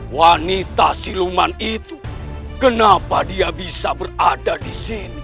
wanita siluman itu kenapa dia bisa berada disini